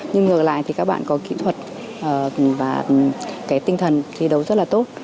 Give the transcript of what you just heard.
nhưng ngược lại thì các bạn có kỹ thuật và cái tinh thần thi đấu rất là tốt